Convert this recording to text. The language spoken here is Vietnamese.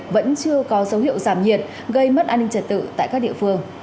vẫn chưa có dấu hiệu giảm nhiệt gây mất an ninh trật tự tại các địa phương